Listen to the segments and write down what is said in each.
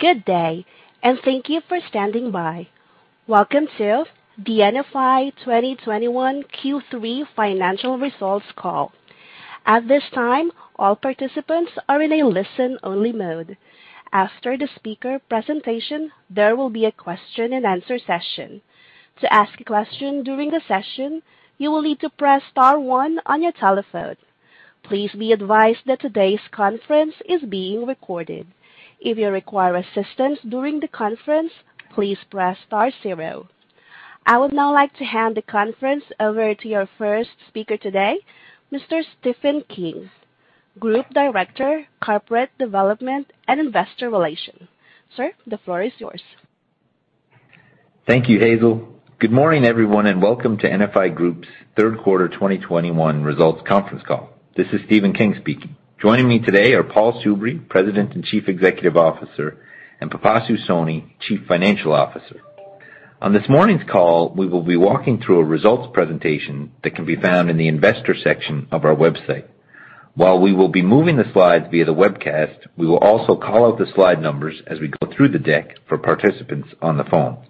Good day, and thank you for standing by. Welcome to the NFI 2021 Q3 financial results call. At this time, all participants are in a listen-only mode. After the speaker presentation, there will be a question-and-answer session. To ask a question during the session, you will need to press star one on your telephone. Please be advised that today's conference is being recorded. If you require assistance during the conference, please press star zero. I would now like to hand the conference over to your first speaker today, Mr. Stephen King, Group Director, Corporate Development and Investor Relations. Sir, the floor is yours. Thank you, Hazel. Good morning, everyone, and welcome to NFI Group's third quarter 2021 results conference call. This is Stephen King speaking. Joining me today are Paul Soubry, President and Chief Executive Officer, and Pipasu Soni, Chief Financial Officer. On this morning's call, we will be walking through a results presentation that can be found in the investor section of our website. While we will be moving the slides via the webcast, we will also call out the slide numbers as we go through the deck for participants on the phone.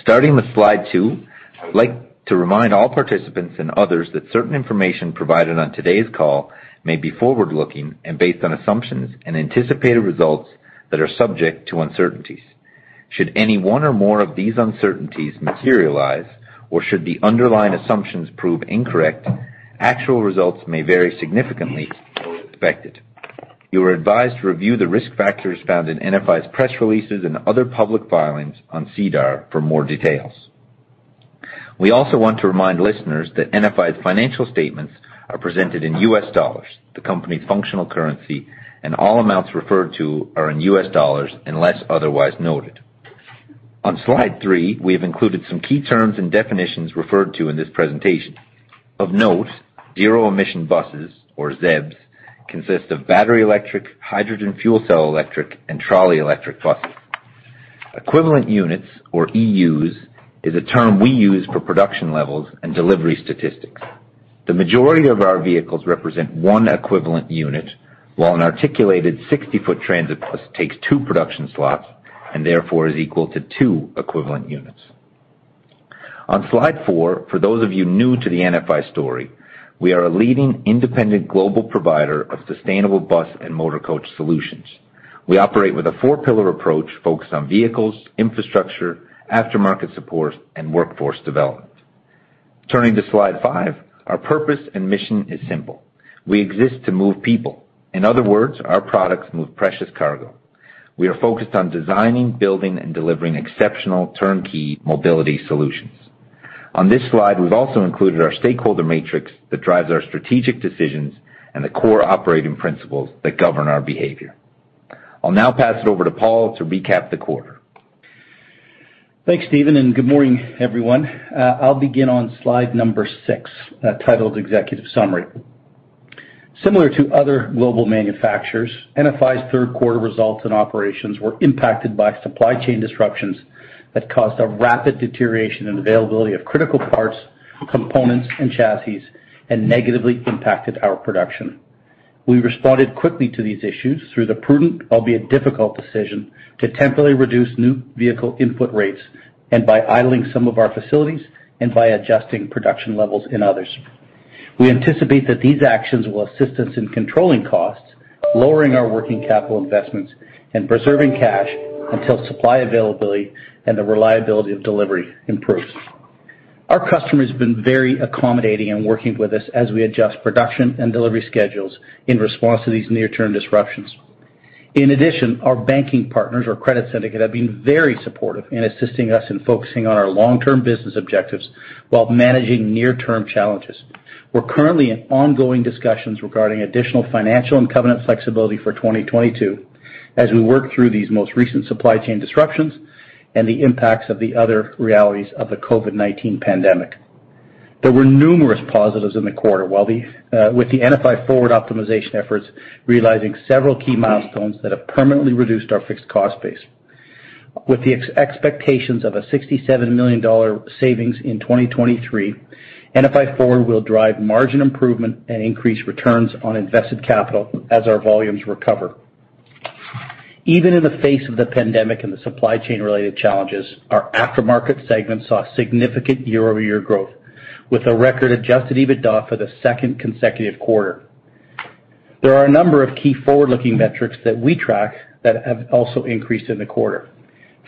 Starting with Slide 2, I would like to remind all participants and others that certain information provided on today's call may be forward-looking and based on assumptions and anticipated results that are subject to uncertainties. Should any one or more of these uncertainties materialize or should the underlying assumptions prove incorrect, actual results may vary significantly from what is expected. You are advised to review the risk factors found in NFI's press releases and other public filings on SEDAR for more details. We also want to remind listeners that NFI's financial statements are presented in US dollars, the company's functional currency, and all amounts referred to are in US dollars unless otherwise noted. On Slide 3, we have included some key terms and definitions referred to in this presentation. Of note, zero-emission buses or ZEBs consist of battery electric, hydrogen fuel cell electric, and trolley electric buses. Equivalent units or EUs is a term we use for production levels and delivery statistics. The majority of our vehicles represent one equivalent unit, while an articulated 60-foot transit bus takes two production slots and therefore is equal to two equivalent units. On Slide 4, for those of you new to the NFI story, we are a leading independent global provider of sustainable bus and motor coach solutions. We operate with a four-pillar approach focused on vehicles, infrastructure, aftermarket support, and workforce development. Turning to Slide 5, our purpose and mission is simple. We exist to move people. In other words, our products move precious cargo. We are focused on designing, building, and delivering exceptional turnkey mobility solutions. On this slide, we've also included our stakeholder matrix that drives our strategic decisions and the core operating principles that govern our behavior. I'll now pass it over to Paul to recap the quarter. Thanks, Stephen, and good morning, everyone. I'll begin on slide number six, titled Executive Summary. Similar to other global manufacturers, NFI's third quarter results and operations were impacted by supply chain disruptions that caused a rapid deterioration in availability of critical parts, components, and chassis, and negatively impacted our production. We responded quickly to these issues through the prudent, albeit difficult decision, to temporarily reduce new vehicle input rates and by idling some of our facilities and by adjusting production levels in others. We anticipate that these actions will assist us in controlling costs, lowering our working capital investments, and preserving cash until supply availability and the reliability of delivery improves. Our customers have been very accommodating in working with us as we adjust production and delivery schedules in response to these near-term disruptions. In addition, our banking partners or credit syndicate have been very supportive in assisting us in focusing on our long-term business objectives while managing near-term challenges. We're currently in ongoing discussions regarding additional financial and covenant flexibility for 2022 as we work through these most recent supply chain disruptions and the impacts of the other realities of the COVID-19 pandemic. There were numerous positives in the quarter, with the NFI Forward optimization efforts realizing several key milestones that have permanently reduced our fixed cost base. With the expectations of a $67 million savings in 2023, NFI Forward will drive margin improvement and increase returns on invested capital as our volumes recover. Even in the face of the pandemic and the supply chain-related challenges, our aftermarket segment saw significant year-over-year growth with a record Adjusted EBITDA for the second consecutive quarter. There are a number of key forward-looking metrics that we track that have also increased in the quarter.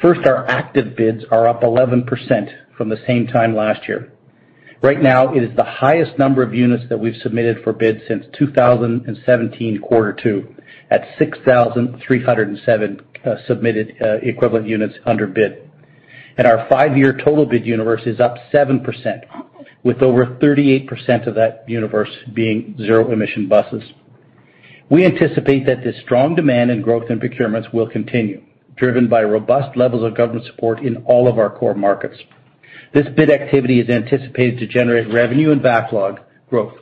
First, our active bids are up 11% from the same time last year. Right now, it is the highest number of units that we've submitted for bid since 2017 quarter two at 6,307 submitted equivalent units under bid. Our five-year total bid universe is up 7%, with over 38% of that universe being zero-emission buses. We anticipate that the strong demand in growth and procurements will continue, driven by robust levels of government support in all of our core markets. This bid activity is anticipated to generate revenue and backlog growth.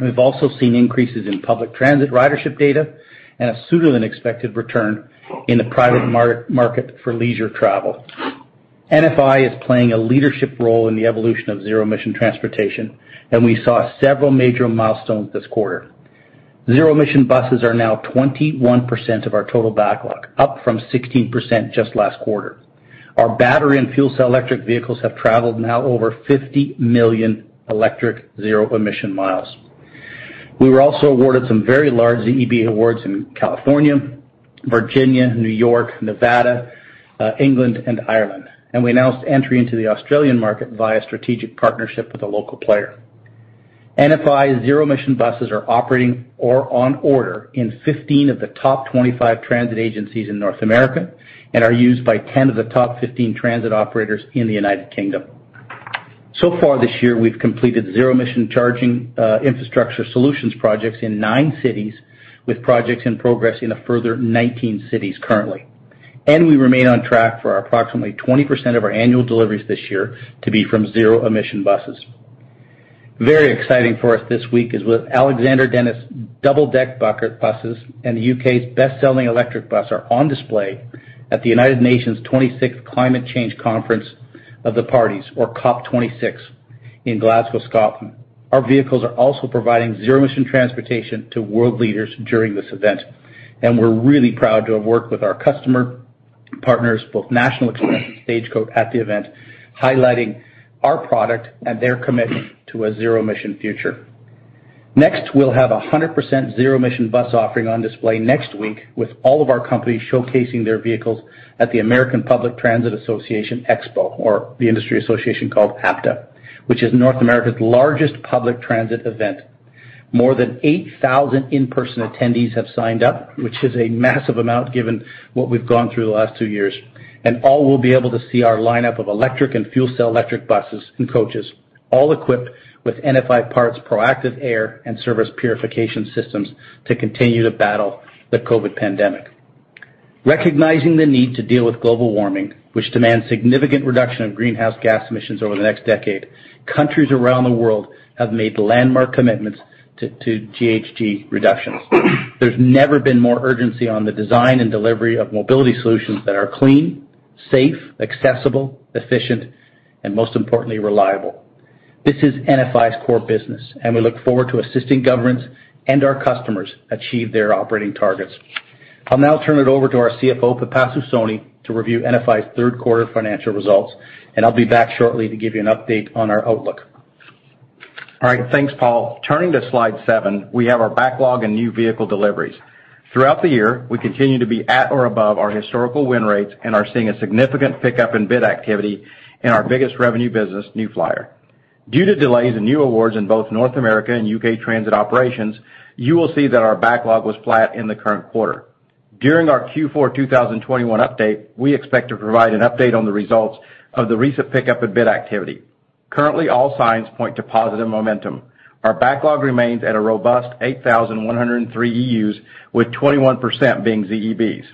We've also seen increases in public transit ridership data and a sooner-than-expected return in the private market for leisure travel. NFI is playing a leadership role in the evolution of zero-emission transportation, and we saw several major milestones this quarter. Zero-emission buses are now 21% of our total backlog, up from 16% just last quarter. Our battery and fuel cell electric vehicles have traveled now over 50 million electric zero-emission miles. We were also awarded some very large ZEB awards in California, Virginia, New York, Nevada, England, and Ireland, and we announced entry into the Australian market via strategic partnership with a local player. NFI zero-emission buses are operating or on order in 15 of the top 25 transit agencies in North America and are used by 10 of the top 15 transit operators in the United Kingdom. So far this year, we've completed zero-emission charging infrastructure Solutions projects in nine cities, with projects in progress in a further 19 cities currently. We remain on track for approximately 20% of our annual deliveries this year to be from zero-emission buses. Very exciting for us this week is with Alexander Dennis double-decker buses and the U.K.'s best-selling electric bus are on display at the United Nations 26th Climate Change Conference of the Parties, or COP26, in Glasgow, Scotland. Our vehicles are also providing zero-emission transportation to world leaders during this event, and we're really proud to have worked with our customer partners, both National Express and Stagecoach at the event, highlighting our product and their commitment to a zero-emission future. Next, we'll have 100% zero-emission bus offering on display next week with all of our companies showcasing their vehicles at the American Public Transportation Association Expo, or the industry association called APTA, which is North America's largest public transit event. More than 8,000 in-person attendees have signed up, which is a massive amount given what we've gone through the last two years. All will be able to see our lineup of electric and fuel cell electric buses and coaches, all equipped with NFI Parts Proactive Air and Surface Purification systems to continue to battle the COVID pandemic. Recognizing the need to deal with global warming, which demands significant reduction of greenhouse gas emissions over the next decade, countries around the world have made landmark commitments to GHG reductions. There's never been more urgency on the design and delivery of mobility solutions that are clean, safe, accessible, efficient, and most importantly, reliable. This is NFI's core business, and we look forward to assisting governments and our customers achieve their operating targets. I'll now turn it over to our CFO, Pipasu Soni, to review NFI's third quarter financial results, and I'll be back shortly to give you an update on our outlook. All right. Thanks, Paul. Turning to Slide 7, we have our backlog and new vehicle deliveries. Throughout the year, we continue to be at or above our historical win rates and are seeing a significant pickup in bid activity in our biggest revenue business, New Flyer. Due to delays in new awards in both North America and U.K. transit operations, you will see that our backlog was flat in the current quarter. During our Q4 2021 update, we expect to provide an update on the results of the recent pickup in bid activity. Currently, all signs point to positive momentum. Our backlog remains at a robust 8,103 EUs, with 21% being ZEBs.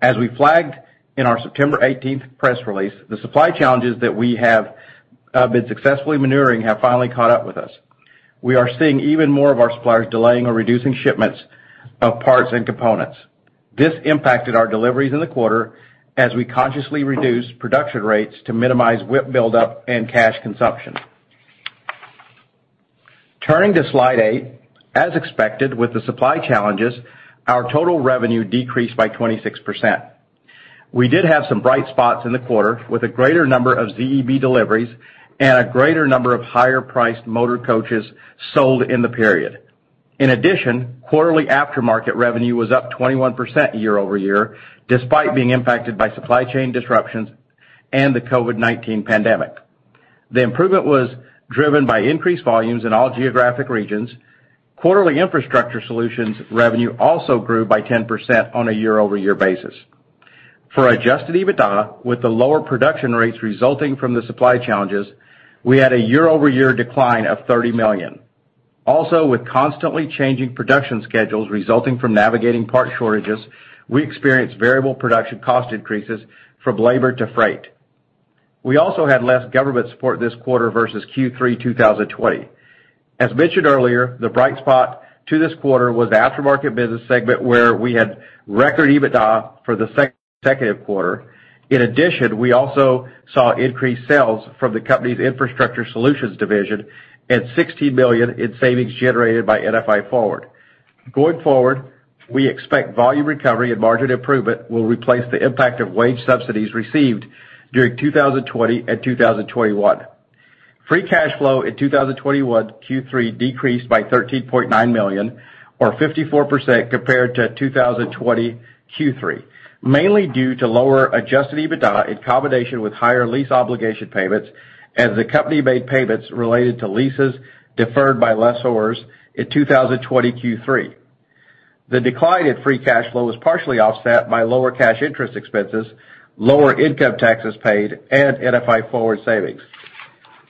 As we flagged in our September 18 press release, the supply challenges that we have been successfully maneuvering have finally caught up with us. We are seeing even more of our suppliers delaying or reducing shipments of parts and components. This impacted our deliveries in the quarter as we consciously reduced production rates to minimize WIP buildup and cash consumption. Turning to Slide 8, as expected, with the supply challenges, our total revenue decreased by 26%. We did have some bright spots in the quarter with a greater number of ZEB deliveries and a greater number of higher-priced motor coaches sold in the period. In addition, quarterly aftermarket revenue was up 21% year-over-year, despite being impacted by supply chain disruptions and the COVID-19 pandemic. The improvement was driven by increased volumes in all geographic regions. Quarterly Infrastructure Solutions revenue also grew by 10% on a year-over-year basis. For Adjusted EBITDA, with the lower production rates resulting from the supply challenges, we had a year-over-year decline of $30 million. With constantly changing production schedules resulting from navigating parts shortages, we experienced variable production cost increases from labor to freight. We also had less government support this quarter versus Q3 2020. As mentioned earlier, the bright spot to this quarter was the aftermarket business segment, where we had record EBITDA for the second quarter. In addition, we also saw increased sales from the company's Infrastructure Solutions division and $60 million in savings generated by NFI Forward. Going forward, we expect volume recovery and margin improvement will replace the impact of wage subsidies received during 2020 and 2021. Free cash flow in 2021 Q3 decreased by $13.9 million or 54% compared to 2020 Q3, mainly due to lower adjusted EBITDA in combination with higher lease obligation payments as the company made payments related to leases deferred by lessors in 2020 Q3. The decline in free cash flow was partially offset by lower cash interest expenses, lower income taxes paid, and NFI Forward savings.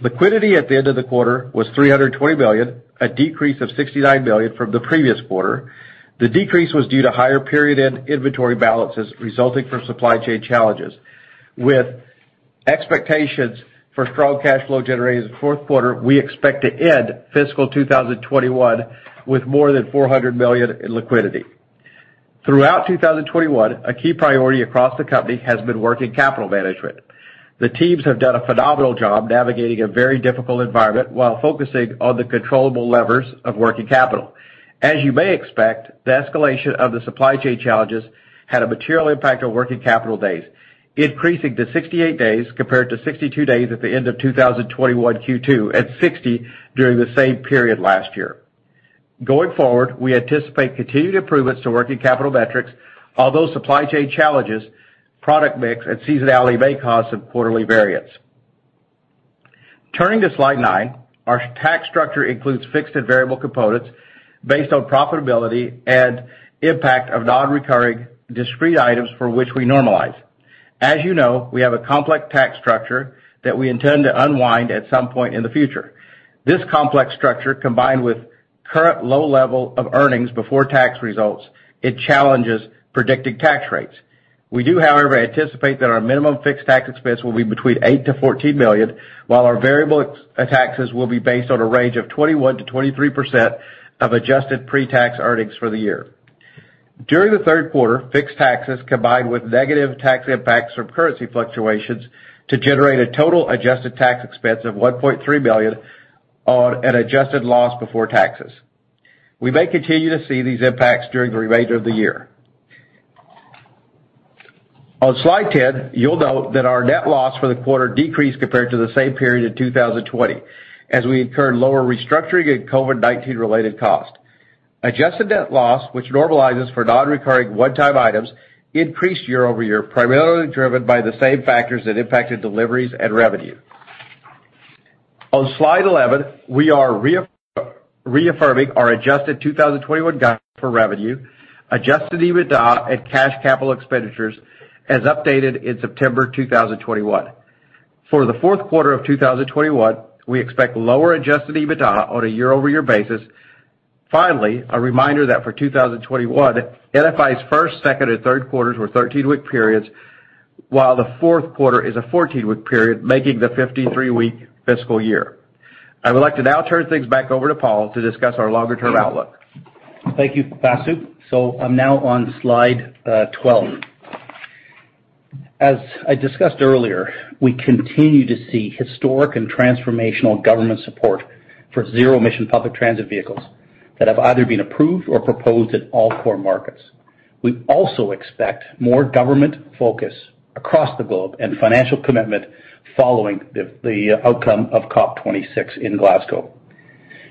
Liquidity at the end of the quarter was $320 million, a decrease of $69 million from the previous quarter. The decrease was due to higher period-end inventory balances resulting from supply chain challenges. With expectations for strong cash flow generated in the fourth quarter, we expect to end fiscal 2021 with more than $400 million in liquidity. Throughout 2021, a key priority across the company has been working capital management. The teams have done a phenomenal job navigating a very difficult environment while focusing on the controllable levers of working capital. As you may expect, the escalation of the supply chain challenges had a material impact on working capital days, increasing to 68 days compared to 62 days at the end of 2021 Q2, at 60 during the same period last year. Going forward, we anticipate continued improvements to working capital metrics, although supply chain challenges, product mix and seasonality may cause some quarterly variance. Turning to Slide 9. Our tax structure includes fixed and variable components based on profitability and impact of non-recurring discrete items for which we normalize. As you know, we have a complex tax structure that we intend to unwind at some point in the future. This complex structure, combined with current low level of earnings before tax results, it challenges predicted tax rates. We do, however, anticipate that our minimum fixed tax expense will be between $8 million-$14 million, while our variable taxes will be based on a range of 21%-23% of adjusted pre-tax earnings for the year. During the third quarter, fixed taxes combined with negative tax impacts from currency fluctuations to generate a total adjusted tax expense of $1.3 million on an adjusted loss before taxes. We may continue to see these impacts during the remainder of the year. On Slide 10, you'll note that our net loss for the quarter decreased compared to the same period in 2020, as we incurred lower restructuring and COVID-19 related costs. Adjusted net loss, which normalizes for non-recurring one-time items, increased year-over-year, primarily driven by the same factors that impacted deliveries and revenue. On Slide 11, we are reaffirming our Adjusted 2021 guide for revenue, Adjusted EBITDA and cash capital expenditures as updated in September 2021. For the fourth quarter of 2021, we expect lower Adjusted EBITDA on a year-over-year basis. Finally, a reminder that for 2021, NFI's first, second and third quarters were 13-week periods, while the fourth quarter is a 14-week period, making the 53-week fiscal year. I would like to now turn things back over to Paul to discuss our longer-term outlook. Thank you, Pipasu. I'm now on Slide 12. As I discussed earlier, we continue to see historic and transformational government support for zero-emission public transit vehicles that have either been approved or proposed in all core markets. We also expect more government focus across the globe and financial commitment following the outcome of COP26 in Glasgow.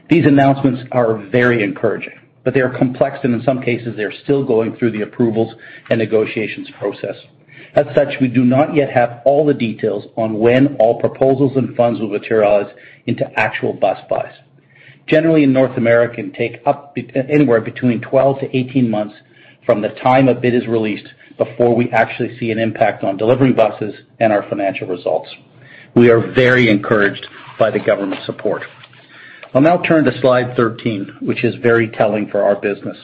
These announcements are very encouraging, but they are complex and in some cases they are still going through the approvals and negotiations process. As such, we do not yet have all the details on when all proposals and funds will materialize into actual bus buys. Generally, in North America it can take anywhere between 12-18 months from the time a bid is released before we actually see an impact on delivering buses and our financial results. We are very encouraged by the government support. I'll now turn to Slide 13, which is very telling for our business.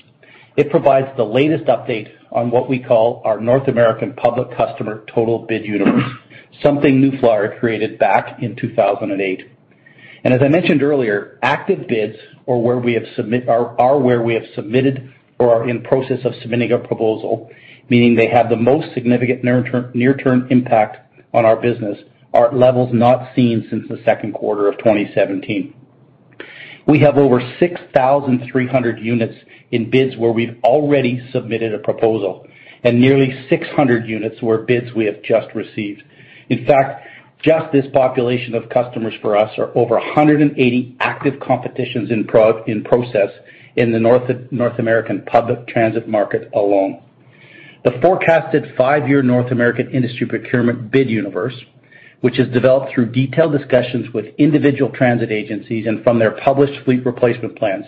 It provides the latest update on what we call our North American public customer total bid universe, something New Flyer created back in 2008. As I mentioned earlier, active bids or where we have submitted or are in process of submitting a proposal, meaning they have the most significant near-term impact on our business, are at levels not seen since the second quarter of 2017. We have over 6,300 units in bids where we've already submitted a proposal and nearly 600 units in bids we have just received. In fact, just this population of customers for us are over 180 active competitions in process in the North American public transit market alone. The forecasted five-year North American industry procurement bid universe, which is developed through detailed discussions with individual transit agencies and from their published fleet replacement plans.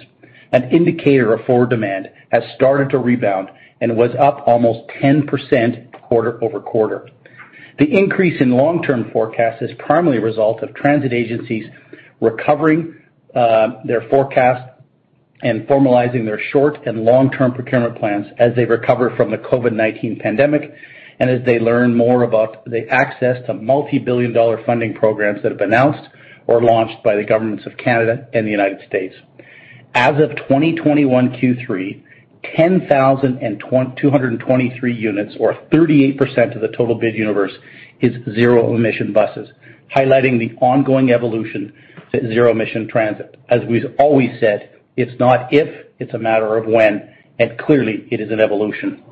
An indicator of forward demand has started to rebound and was up almost 10% quarter-over-quarter. The increase in long-term forecast is primarily a result of transit agencies recovering their forecast and formalizing their short-term and long-term procurement plans as they recover from the COVID-19 pandemic and as they learn more about the access to multi-billion dollar funding programs that have been announced or launched by the governments of Canada and the United States. As of 2021 Q3, 10,223 units, or 38% of the total bid universe, is zero-emission buses, highlighting the ongoing evolution to zero-emission transit. As we've always said, it's not if, it's a matter of when, and clearly it is an evolution.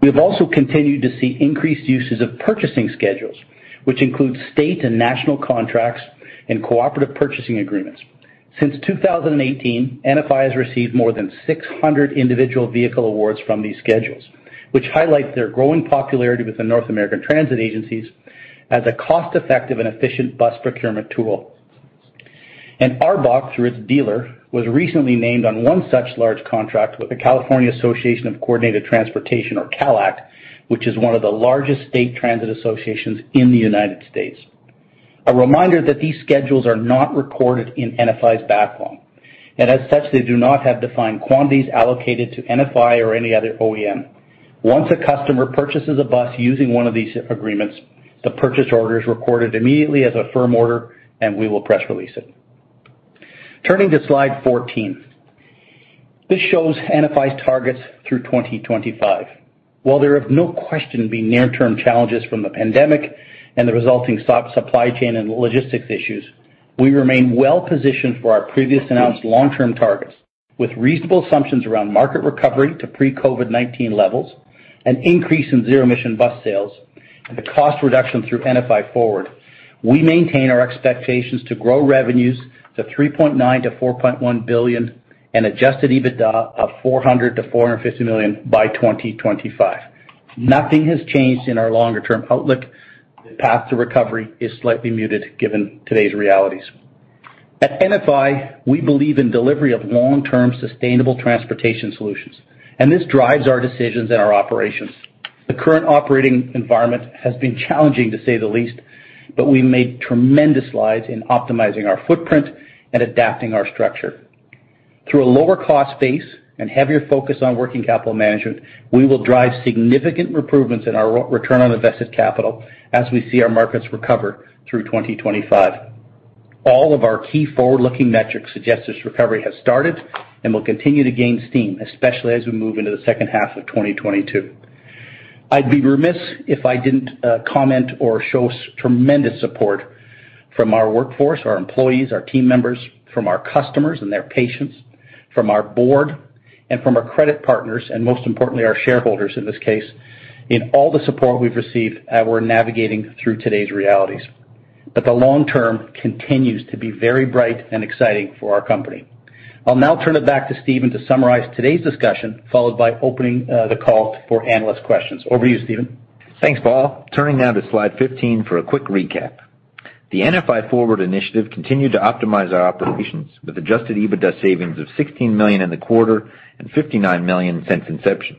We have also continued to see increased uses of purchasing schedules, which include state and national contracts and cooperative purchasing agreements. Since 2018, NFI has received more than 600 individual vehicle awards from these schedules, which highlights their growing popularity with the North American transit agencies as a cost-effective and efficient bus procurement tool. ARBOC, through its dealer, was recently named on one such large contract with the California Association for Coordinated Transportation, or CALACT, which is one of the largest state transit associations in the United States. A reminder that these schedules are not recorded in NFI's backlog, and as such, they do not have defined quantities allocated to NFI or any other OEM. Once a customer purchases a bus using one of these agreements, the purchase order is recorded immediately as a firm order and we will press release it. Turning to Slide 14. This shows NFI's targets through 2025. While there have no question been near-term challenges from the pandemic and the resulting supply chain and logistics issues, we remain well positioned for our previous announced long-term targets with reasonable assumptions around market recovery to pre-COVID-19 levels, an increase in zero-emission bus sales, and the cost reduction through NFI Forward. We maintain our expectations to grow revenues to $3.9 billion-$4.1 billion and Adjusted EBITDA of $400 million-$450 million by 2025. Nothing has changed in our longer-term outlook. The path to recovery is slightly muted given today's realities. At NFI, we believe in delivery of long-term sustainable transportation solutions, and this drives our decisions and our operations. The current operating environment has been challenging, to say the least, but we've made tremendous strides in optimizing our footprint and adapting our structure. Through a lower cost base and heavier focus on working capital management, we will drive significant improvements in our return on invested capital as we see our markets recover through 2025. All of our key forward-looking metrics suggest this recovery has started and will continue to gain steam, especially as we move into the second half of 2022. I'd be remiss if I didn't comment or show tremendous support from our workforce, our employees, our team members, from our customers and their patients, from our board, and from our credit partners, and most importantly, our shareholders in this case, in all the support we've received as we're navigating through today's realities. The long-term continues to be very bright and exciting for our company. I'll now turn it back to Stephen to summarize today's discussion, followed by opening the call for analyst questions. Over to you, Stephen. Thanks, Paul. Turning now to Slide 15 for a quick recap. The NFI Forward initiative continued to optimize our operations with Adjusted EBITDA savings of $16 million in the quarter and $59 million since inception.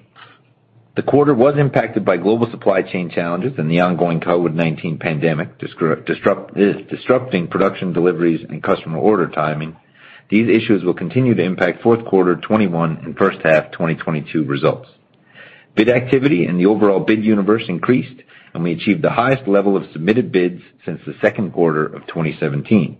The quarter was impacted by global supply chain challenges and the ongoing COVID-19 pandemic, disrupting production deliveries and customer order timing. These issues will continue to impact fourth quarter 2021 and first half 2022 results. Bid activity in the overall bid universe increased, and we achieved the highest level of submitted bids since the second quarter of 2017.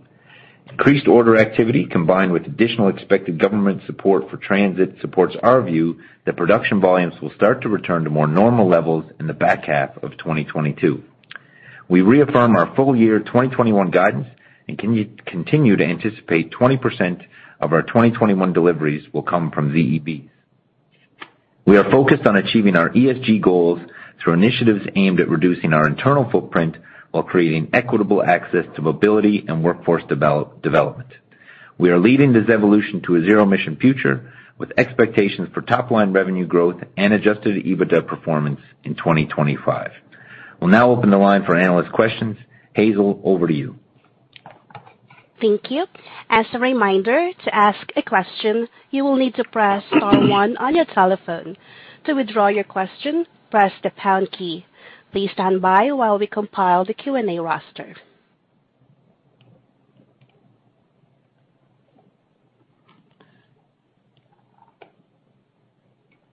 Increased order activity combined with additional expected government support for transit supports our view that production volumes will start to return to more normal levels in the back half of 2022. We reaffirm our full year 2021 guidance and continue to anticipate 20% of our 2021 deliveries will come from ZEBs. We are focused on achieving our ESG goals through initiatives aimed at reducing our internal footprint while creating equitable access to mobility and workforce development. We are leading this evolution to a zero-emission future with expectations for top-line revenue growth and Adjusted EBITDA performance in 2025. We'll now open the line for analyst questions. Hazel, over to you. Thank you. As a reminder, to ask a question, you will need to press star one on your telephone. To withdraw your question, press the pound key. Please stand by while we compile the Q&A roster.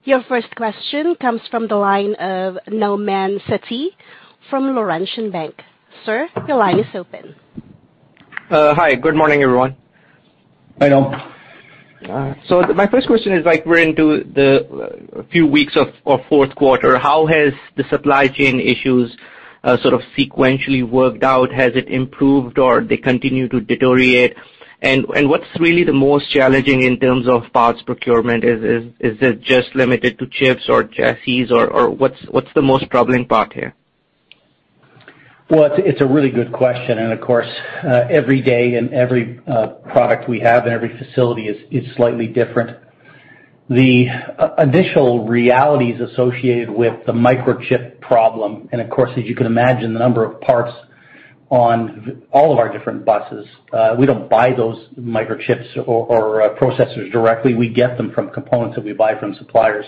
Your first question comes from the line of Nauman Satti from Laurentian Bank. Sir, your line is open. Hi. Good morning, everyone. Hi, Nauman. My first question is like we're into the few weeks of fourth quarter. How has the supply chain issues sort of sequentially worked out? Has it improved or they continue to deteriorate? What's really the most challenging in terms of parts procurement? Is it just limited to chips or chassis or what's the most troubling part here? Well, it's a really good question. Of course, every day and every product we have in every facility is slightly different. The initial realities associated with the microchip problem, and of course, as you can imagine, the number of parts on all of our different buses, we don't buy those microchips or processors directly. We get them from components that we buy from suppliers.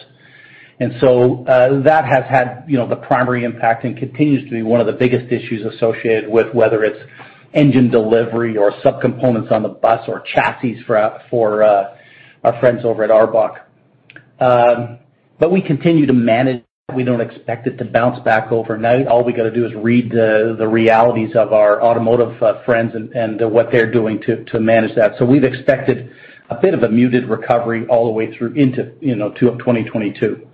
That has had, you know, the primary impact and continues to be one of the biggest issues associated with whether it's engine delivery or subcomponents on the bus or chassis for our friends over at ARBOC. We continue to manage. We don't expect it to bounce back overnight. All we gotta do is read the realities of our automotive friends and what they're doing to manage that. We've expected a bit of a muted recovery all the way through into, you know, to 2022.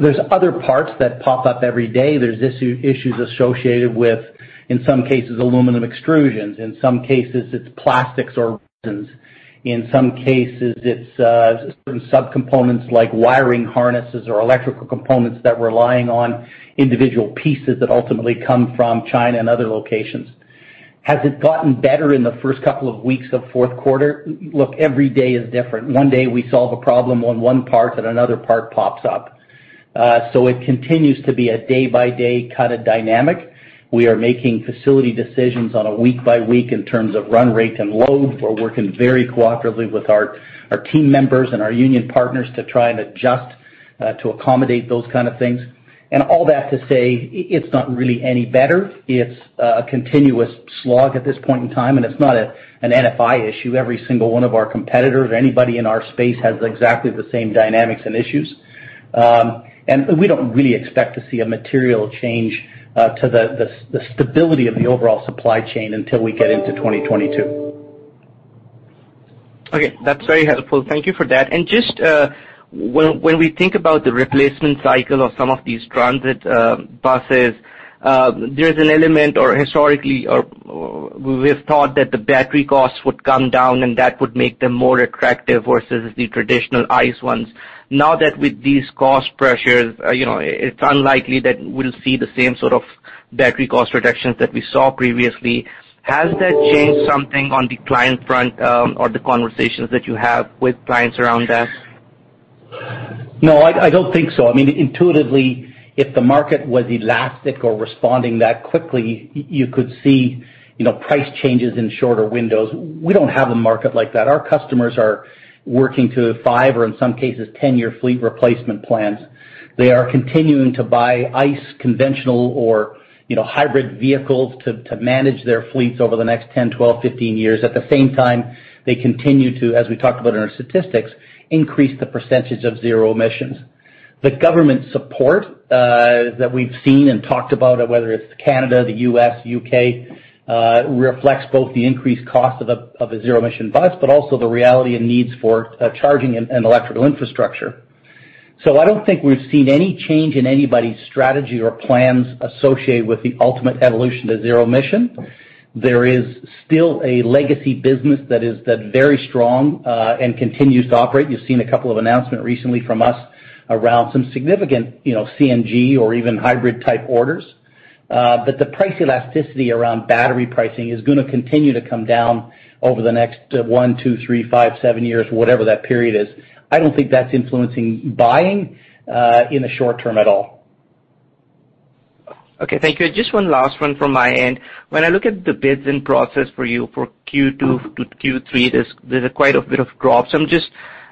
There's other parts that pop up every day. There's issues associated with, in some cases, aluminum extrusions, in some cases, it's plastics or resins. In some cases, it's certain subcomponents like wiring harnesses or electrical components that rely on individual pieces that ultimately come from China and other locations. Has it gotten better in the first couple of weeks of fourth quarter? Look, every day is different. One day, we solve a problem on one part and another part pops up. It continues to be a day-by-day kind of dynamic. We are making facility decisions on a week-by-week basis in terms of run rate and load. We're working very cooperatively with our team members and our union partners to try and adjust to accommodate those kind of things. All that to say it's not really any better. It's a continuous slog at this point in time, and it's not an NFI issue. Every single one of our competitors, anybody in our space has exactly the same dynamics and issues. We don't really expect to see a material change to the stability of the overall supply chain until we get into 2022. Okay. That's very helpful. Thank you for that. Just, when we think about the replacement cycle of some of these transit buses, there's an element or historically or we've thought that the battery costs would come down and that would make them more attractive versus the traditional ICE ones. Now, with these cost pressures, you know, it's unlikely that we'll see the same sort of battery cost reductions that we saw previously. Has that changed something on the client front, or the conversations that you have with clients around that? No, I don't think so. I mean, intuitively, if the market was elastic or responding that quickly, you could see, you know, price changes in shorter windows. We don't have a market like that. Our customers are working to five- or 10-year fleet replacement plans. They are continuing to buy ICE conventional or, you know, hybrid vehicles to manage their fleets over the next 10, 12, 15 years. At the same time, they continue to, as we talked about in our statistics, increase the percentage of zero emissions. The government support that we've seen and talked about, whether it's Canada, the U.S., U.K., reflects both the increased cost of a zero-emission bus, but also the reality and needs for charging and electrical infrastructure. I don't think we've seen any change in anybody's strategy or plans associated with the ultimate evolution to zero-emission. There is still a legacy business that's very strong and continues to operate. You've seen a couple of announcements recently from us around some significant CNG or even hybrid type orders. The price elasticity around battery pricing is gonna continue to come down over the next one, two, three, five, seven years, whatever that period is. I don't think that's influencing buying in the short-term at all. Okay, thank you. Just one last one from my end. When I look at the bids in process for you for Q2 to Q3, there's quite a bit of drops.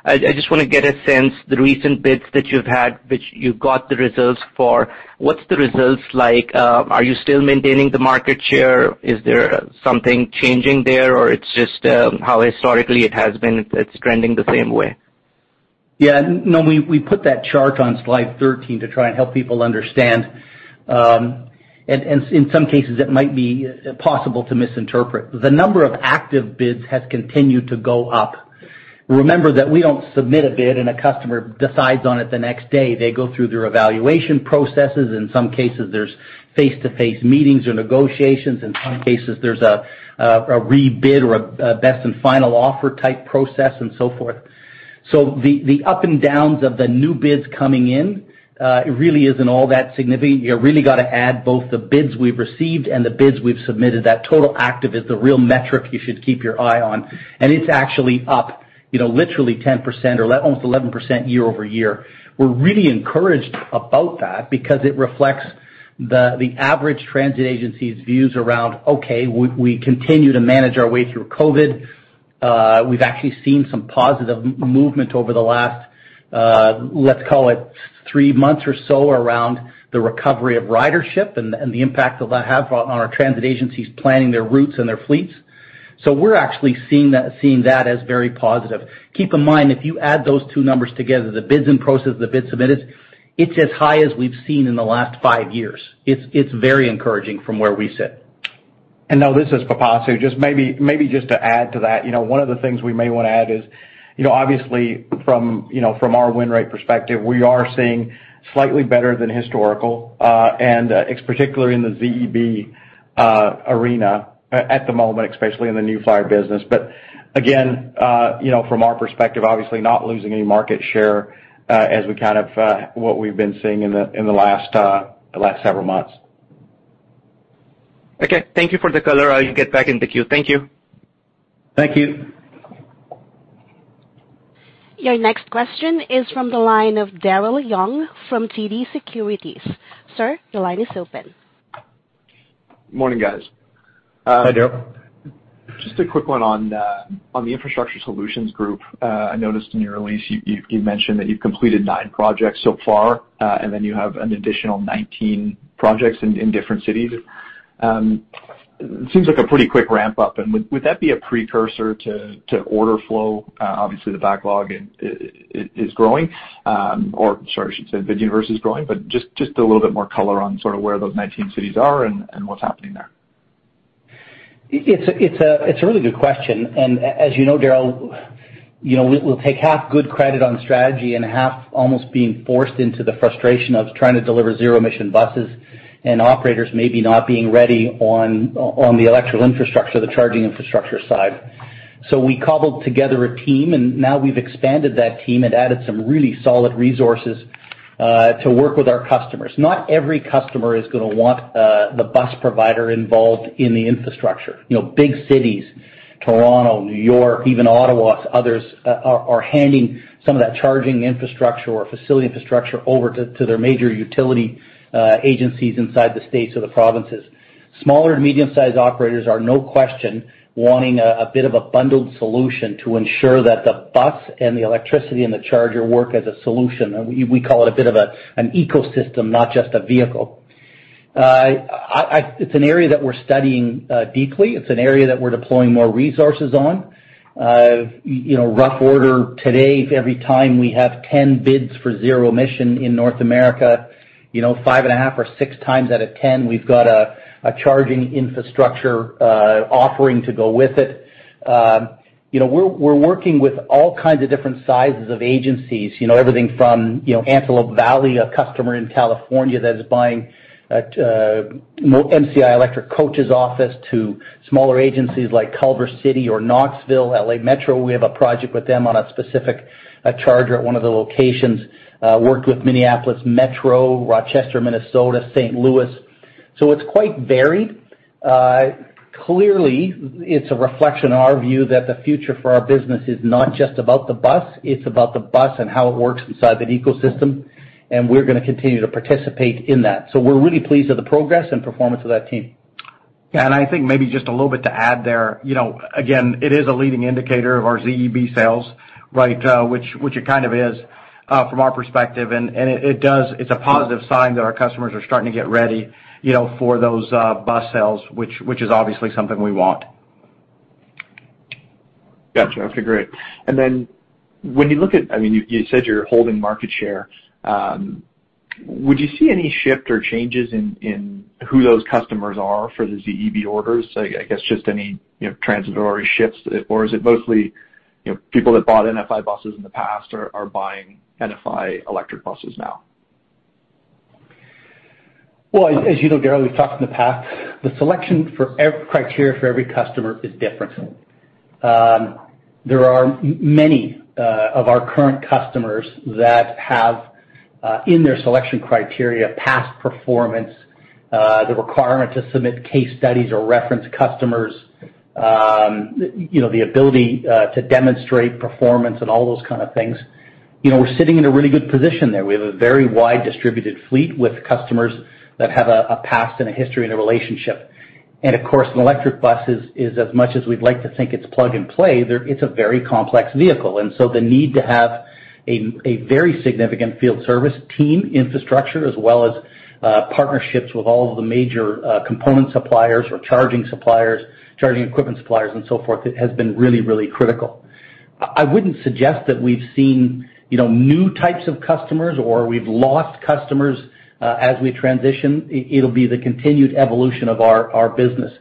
I just wanna get a sense, the recent bids that you've had, which you got the results for, what's the results like? Are you still maintaining the market share? Is there something changing there or it's just, how historically it has been, it's trending the same way? Yeah. No, we put that chart on Slide 13 to try and help people understand. In some cases, it might be possible to misinterpret. The number of active bids has continued to go up. Remember that we don't submit a bid and a customer decides on it the next day. They go through their evaluation processes. In some cases, there's face-to-face meetings or negotiations. In some cases, there's a rebid or a best and final offer type process and so forth. The up and downs of the new bids coming in, it really isn't all that significant. You really gotta add both the bids we've received and the bids we've submitted. That total active is the real metric you should keep your eye on, and it's actually up, you know, literally 10% or almost 11% year-over-year. We're really encouraged about that because it reflects the average transit agency's views around, okay, we continue to manage our way through COVID. We've actually seen some positive movement over the last, let's call it three months or so around the recovery of ridership and the impact that has on our transit agencies planning their routes and their fleets. So we're actually seeing that as very positive. Keep in mind, if you add those two numbers together, the bids in process, the bids submitted, it's as high as we've seen in the last five years. It's very encouraging from where we sit. Now, this is Pipasu. Just maybe to add to that, you know, one of the things we may wanna add is, you know, obviously from, you know, from our win rate perspective, we are seeing slightly better than historical, and it's particularly in the ZEB arena at the moment, especially in the New Flyer business. Again, you know, from our perspective, obviously not losing any market share, as we kind of what we've been seeing in the last several months. Okay. Thank you for the color. I'll get back in the queue. Thank you. Thank you. Your next question is from the line of Daryl Young from TD Securities. Sir, your line is open. Morning, guys. Hi, Daryl. Just a quick one on the Infrastructure Solutions Group. I noticed in your release you mentioned that you've completed nine projects so far, and then you have an additional 19 projects in different cities. Seems like a pretty quick ramp-up, and would that be a precursor to order flow? Obviously, the backlog is growing, or sorry, I should say the universe is growing, but just a little bit more color on sort of where those 19 cities are and what's happening there. It's a really good question. As you know, Daryl, you know, we'll take half good credit on strategy and half almost being forced into the frustration of trying to deliver zero-emission buses and operators maybe not being ready on the electrical infrastructure, the charging infrastructure side. We cobbled together a team, and now we've expanded that team and added some really solid resources to work with our customers. Not every customer is gonna want the bus provider involved in the infrastructure. You know, big cities, Toronto, New York, even Ottawa, others are handing some of that charging infrastructure or facility infrastructure over to their major utility agencies inside the states or the provinces. Smaller and medium-sized operators are no question wanting a bit of a bundled solution to ensure that the bus and the electricity and the charger work as a solution. We call it a bit of an ecosystem, not just a vehicle. It's an area that we're studying deeply. It's an area that we're deploying more resources on. You know, rough order today, every time we have 10 bids for zero emission in North America, you know, 5.5 or 6x out of 10, we've got a charging infrastructure offering to go with it. You know, we're working with all kinds of different sizes of agencies, you know, everything from Antelope Valley, a customer in California that is buying more MCI Electric Coaches to smaller agencies like Culver City or Knoxville, LA Metro. We have a project with them on a specific charger at one of the locations. Worked with Metro Transit, Rochester, Minnesota, St. Louis. It's quite varied. Clearly, it's a reflection on our view that the future for our business is not just about the bus, it's about the bus and how it works inside that ecosystem, and we're gonna continue to participate in that. We're really pleased with the progress and performance of that team. I think maybe just a little bit to add there. You know, again, it is a leading indicator of our ZEB sales, right? Which it kind of is, from our perspective. It's a positive sign that our customers are starting to get ready, you know, for those bus sales, which is obviously something we want. Gotcha. Okay, great. Then when you look at, I mean, you said you're holding market share. Would you see any shift or changes in who those customers are for the ZEB orders? I guess just any, you know, transitory shifts, or is it mostly, you know, people that bought NFI buses in the past are buying NFI electric buses now? Well, as you know, Daryl, we've talked in the past, the selection criteria for every customer is different. There are many of our current customers that have in their selection criteria, past performance, the requirement to submit case studies or reference customers, you know, the ability to demonstrate performance and all those kind of things. You know, we're sitting in a really good position there. We have a very wide distributed fleet with customers that have a past and a history and a relationship. Of course, an electric bus is as much as we'd like to think it's plug-and-play, it's a very complex vehicle. The need to have a very significant field service team infrastructure as well as partnerships with all of the major component suppliers or charging suppliers, charging equipment suppliers and so forth, it has been really critical. I wouldn't suggest that we've seen, you know, new types of customers or we've lost customers as we transition, it'll be the continued evolution of our business.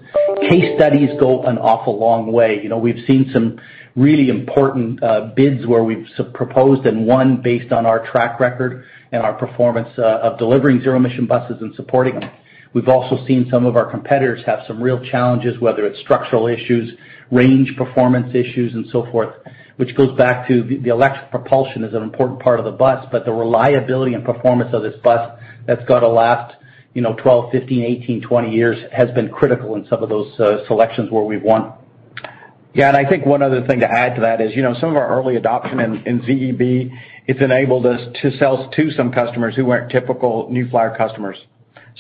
Case studies go an awful long way. You know, we've seen some really important bids where we've proposed and won based on our track record and our performance of delivering zero-emission buses and supporting them. We've also seen some of our competitors have some real challenges, whether it's structural issues, range performance issues and so forth, which goes back to the electric propulsion is an important part of the bus, but the reliability and performance of this bus that's gotta last, you know, 12, 15, 18, 20 years has been critical in some of those selections where we've won. Yeah. I think one other thing to add to that is, you know, some of our early adoption in ZEB, it's enabled us to sell to some customers who weren't typical New Flyer customers.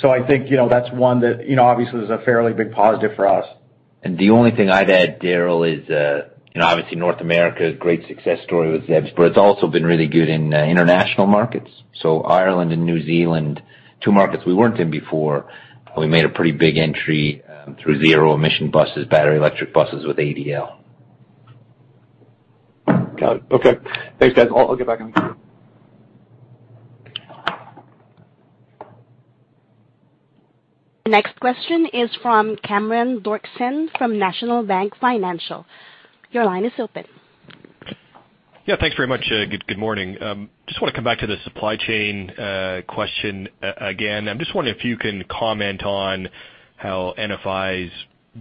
I think, you know, that's one that, you know, obviously is a fairly big positive for us. The only thing I'd add, Daryl, is, you know, obviously North America, great success story with ZEB, but it's also been really good in international markets. Ireland and New Zealand, two markets we weren't in before, we made a pretty big entry through zero-emission buses, battery electric buses with ADL. Got it. Okay. Thanks, guys. I'll get back on queue. The next question is from Cameron Doerksen from National Bank Financial. Your line is open. Yeah, thanks very much. Good morning. Just want to come back to the supply chain question again. I'm just wondering if you can comment on how NFI is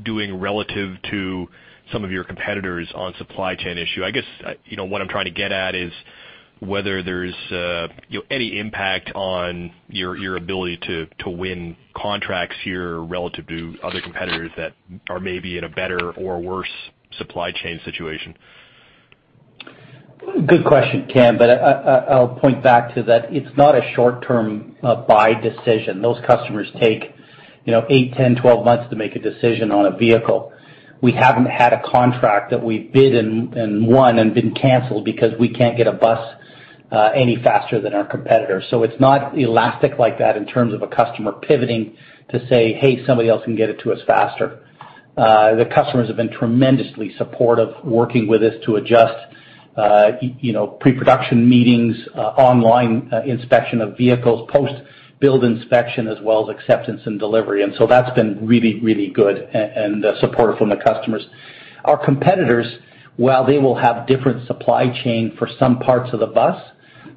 doing relative to some of your competitors on supply chain issue. I guess, you know, what I'm trying to get at is whether there's, you know, any impact on your ability to win contracts here relative to other competitors that are maybe in a better or worse supply chain situation. Good question, Cam, but I'll point back to that it's not a short-term buy decision. Those customers take, you know, eight, 10, 12 months to make a decision on a vehicle. We haven't had a contract that we've bid and won and been canceled because we can't get a bus any faster than our competitor. So it's not elastic like that in terms of a customer pivoting to say, "Hey, somebody else can get it to us faster." The customers have been tremendously supportive working with us to adjust, you know, pre-production meetings, online inspection of vehicles, post-build inspection, as well as acceptance and delivery. And so that's been really, really good and the support from the customers. Our competitors, while they will have different supply chain for some parts of the bus,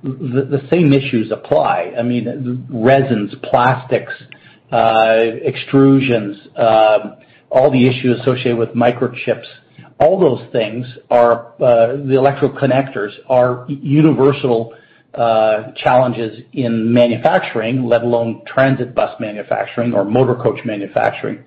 the same issues apply. I mean, resins, plastics, extrusions, all the issues associated with microchips, all those things are, the electrical connectors are universal challenges in manufacturing, let alone transit bus manufacturing or motor coach manufacturing.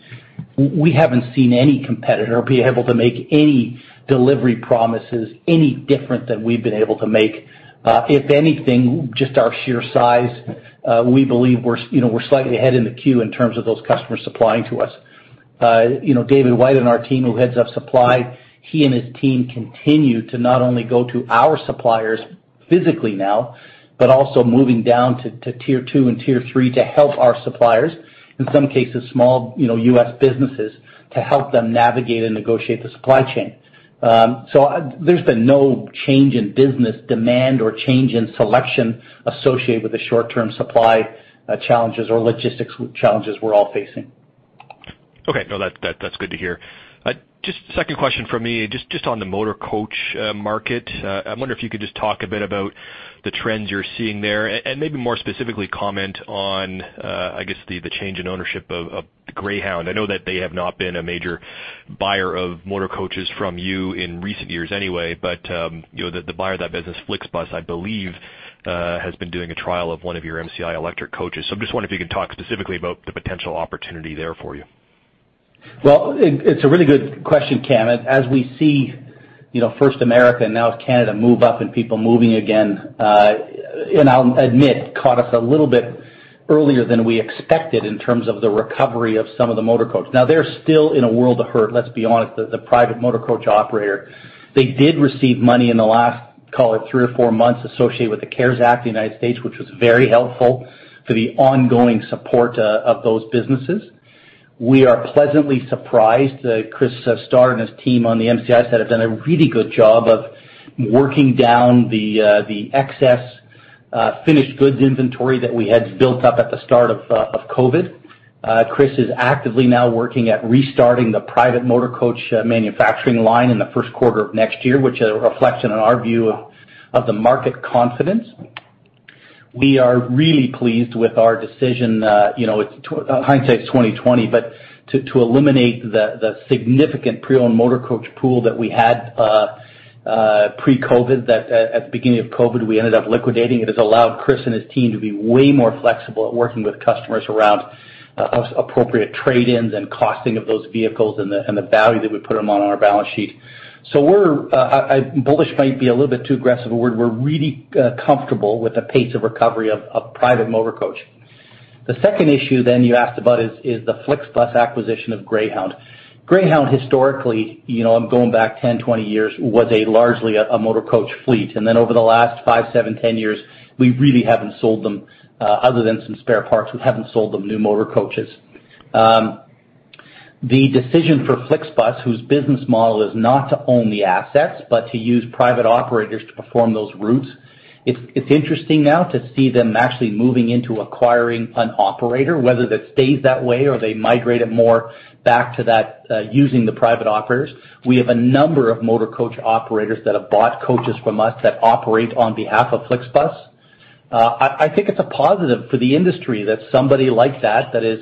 We haven't seen any competitor be able to make any delivery promises any different than we've been able to make. If anything, just our sheer size, we believe, you know, we're slightly ahead in the queue in terms of those customers supplying to us. You know, David White and our team who heads up supply, he and his team continue to not only go to our suppliers physically now, but also moving down to Tier 2 and Tier 3 to help our suppliers, in some cases small, you know, U.S. businesses to help them navigate and negotiate the supply chain. There's been no change in business demand or change in selection associated with the short-term supply challenges or logistics challenges we're all facing. Okay. No, that's good to hear. Just a second question from me, just on the motor coach market. I wonder if you could just talk a bit about the trends you're seeing there, and maybe more specifically comment on, I guess the change in ownership of Greyhound. I know that they have not been a major buyer of motor coaches from you in recent years anyway, but you know, the buyer of that business FlixBus, I believe, has been doing a trial of one of your MCI Electric Coaches. I'm just wondering if you could talk specifically about the potential opportunity there for you. Well, it's a really good question, Cam. As we see, you know, first in America, now Canada move up and people moving again, and I'll admit, caught us a little bit earlier than we expected in terms of the recovery of some of the motor coach. Now they're still in a world of hurt, let's be honest, the private motor coach operator, they did receive money in the last, call it three or four months associated with the CARES Act, the United States, which was very helpful for the ongoing support of those businesses. We are pleasantly surprised that Chris Starr and his team on the MCI side have done a really good job of working down the excess finished goods inventory that we had built up at the start of COVID. Chris is actively now working at restarting the private motor coach manufacturing line in the first quarter of next year, which is a reflection in our view of the market confidence. We are really pleased with our decision, you know, it's hindsight's 20/20, but to eliminate the significant pre-owned motor coach pool that we had pre-COVID, at the beginning of COVID, we ended up liquidating it, has allowed Chris and his team to be way more flexible at working with customers around U.S.-appropriate trade-ins and costing of those vehicles and the value that we put them on our balance sheet. We're bullish might be a little bit too aggressive a word. We're really comfortable with the pace of recovery of private motor coach. The second issue you asked about is the FlixBus acquisition of Greyhound. Greyhound historically, you know, I'm going back 10, 20 years, was largely a motor coach fleet. Over the last five, seven, 10 years, we really haven't sold them, other than some spare parts, we haven't sold them new motor coaches. The decision for FlixBus, whose business model is not to own the assets, but to use private operators to perform those routes, it's interesting now to see them actually moving into acquiring an operator, whether that stays that way or they migrate it more back to that, using the private operators. We have a number of motor coach operators that have bought coaches from us that operate on behalf of FlixBus. I think it's a positive for the industry that somebody like that that has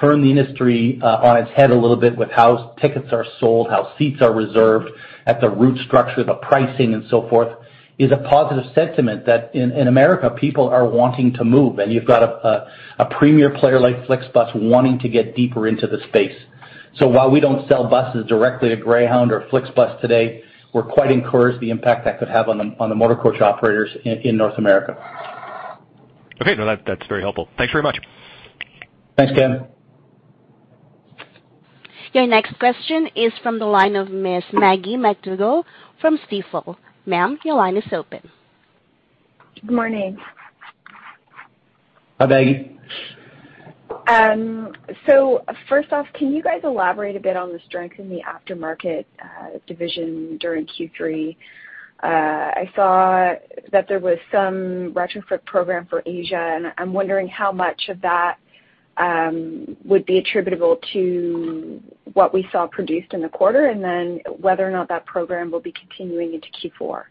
turned the industry on its head a little bit with how tickets are sold, how seats are reserved and the route structure, the pricing and so forth, is a positive sentiment that in America, people are wanting to move. You've got a premier player like FlixBus wanting to get deeper into the space. While we don't sell buses directly to Greyhound or FlixBus today, we're quite encouraged by the impact that could have on the motor coach operators in North America. Okay. No, that's very helpful. Thanks very much. Thanks, Cam. Your next question is from the line of Ms. Maggie MacDougall from Stifel. Ma'am, your line is open. Good morning. Hi, Maggie. First off, can you guys elaborate a bit on the strength in the aftermarket division during Q3? I saw that there was some retrofit program for Asia, and I'm wondering how much of that would be attributable to what we saw produced in the quarter, and then whether or not that program will be continuing into Q4.